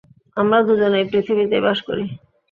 আমরা দু জন এই পৃথিবীতেই বাস করি।